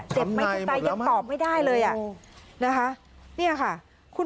เจ็บไหมคุณตายังตอบไม่ได้เลยนะคะคำนายหมดแล้วมั้ย